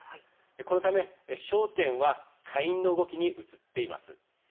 このため、焦点は下院の動きに移っています。